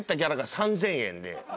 ３，０００円